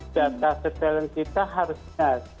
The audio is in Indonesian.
data setelan kita harus benar